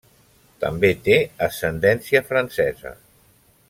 També té ascendència francesa.